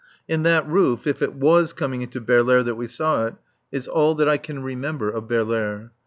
And that roof if it was coming into Baerlaere that we saw it is all that I can remember of Baerlaere.